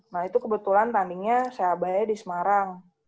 nah itu kebetulan timingnya seabanya di semarang